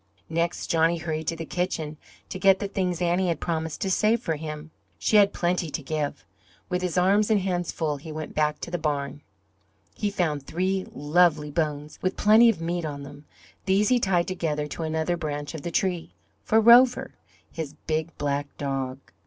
Next Johnny hurried to the kitchen to get the things Annie had promised to save for him. She had plenty to give. With his arms and hands full he went back to the barn. He found three "lovely" bones with plenty of meat on them; these he tied together to another branch of the tree, for Rover, his big black dog.